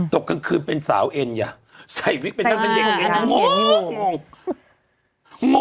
ตกกลางคืนเป็นสาวเอ็นอย่าใส่วิกเป็นตั้งเป็นเย็นโง่โง่โง่